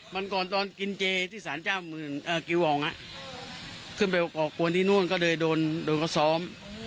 มันก่อนตอนกินเจที่สารเจ้าเกียวองอะขึ้นไปกรอกกวนที่นู่นก็โดนกระซ้อม